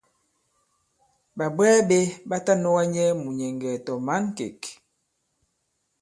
Ɓàbwɛɛ ɓē ɓa ta nɔ̄ga nyɛ mùnyɛ̀ŋgɛ̀ tɔ̀ mǎnkêk.